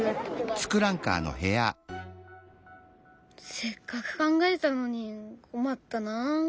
せっかく考えたのに困ったなあ。